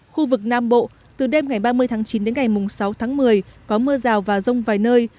khu vực nam bộ từ đêm ngày ba mươi tháng chín đến ngày sáu tháng một mươi có mưa rào và rông vài nơi